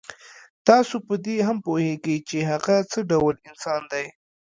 تاسو په دې هم پوهېږئ چې هغه څه ډول انسان دی.